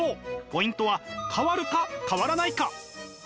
ポイントは変わるか変わらないか。